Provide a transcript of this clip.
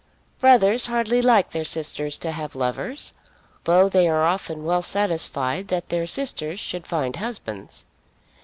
Brothers hardly like their sisters to have lovers, though they are often well satisfied that their sisters should find husbands.